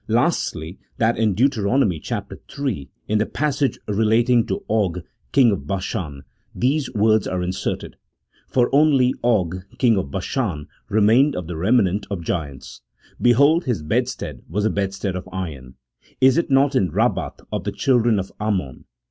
Lastly, that in Deut. chap, hi., in the passage re lating to Og, king of Bashan, these words are inserted :" For only Og king of Bashan remained of the remnant of giants : behold, his bedstead was a bedstead of iron : is it not in Eabbath of the children of Ammon